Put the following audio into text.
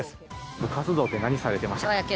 部活動って何されてましたか？